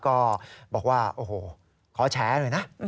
ก็บอกว่าโอ้โหขอแฉหน่อยนะ